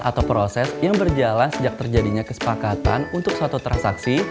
atau proses yang berjalan sejak terjadinya kesepakatan untuk suatu transaksi